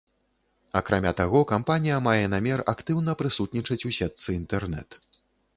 Акрамя таго, кампанія мае намер актыўна прысутнічаць у сетцы інтэрнэт.